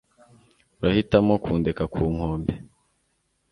urahitamo kundeka ku nkombe